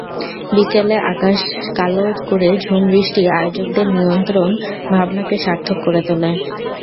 বিকেলে আকাশ কালো করে ঝুম বৃষ্টি আয়োজকদের নিমন্ত্রণভাবনাকে সার্থক করে তোলে।